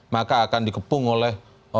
maka akan dikepung oleh